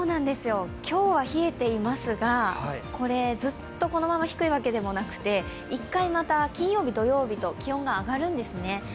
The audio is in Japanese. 今日は冷えていますが、ずっとこのまま低いわけでもなくて１回、金曜日、土曜日と気温が上がるんですね。